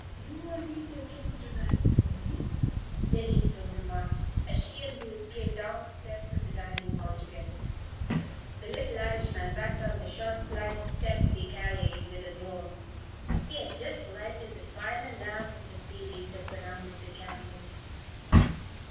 "You're late again to night, Tony," Jennie Stone remarked, as she and Ruth came down the steps of the dining hall together. The little Irishman backed down the short flight of steps he carried, with a groan. He had just lighted the final lamp of the series that surrounded the campus.